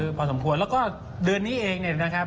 กลับเข้ามาซื้อพอสมควรแล้วก็เดือนนี้เองนะครับ